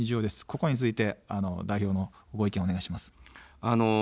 ここについて代表のご意見をお願いします。